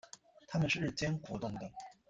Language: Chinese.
它们是日间活动的。